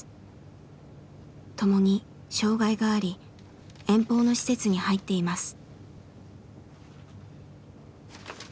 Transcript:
ともに障害があり遠方の施設に入っています。